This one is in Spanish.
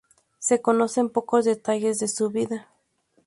Se conocen pocos detalles de su vida.